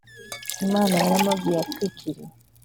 imana ya ramogi yatwikiriye